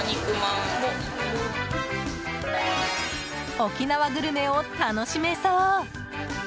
沖縄グルメを楽しめそう！